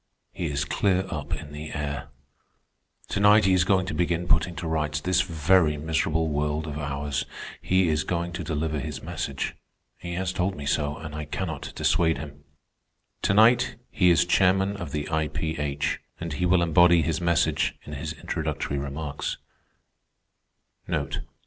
"He is clear up in the air. Tonight he is going to begin putting to rights this very miserable world of ours. He is going to deliver his message. He has told me so, and I cannot dissuade him. To night he is chairman of the I.P.H., and he will embody his message in his introductory remarks.